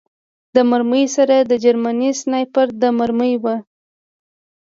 د مرمۍ سر د جرمني سنایپر د مرمۍ و